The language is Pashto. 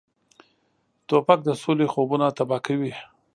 توپک د سولې خوبونه تباه کوي.